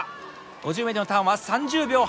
５０ｍのターンは３０秒８９。